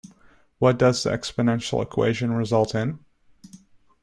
What does the exponential equation result in?